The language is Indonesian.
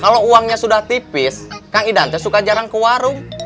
kalau uangnya sudah tipis kang ida suka jarang ke warung